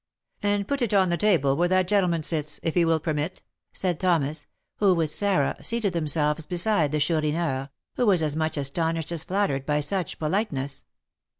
"And put it on the table where that gentleman sits, if he will permit," added Thomas, who, with Sarah, seated themselves beside the Chourineur, who was as much astonished as flattered by such politeness.